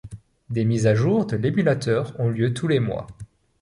Des mises à jour de l'émulateur ont lieu tous les mois.